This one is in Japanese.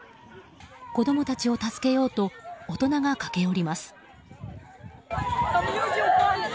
子供たちを助けようと大人が駆け寄ります。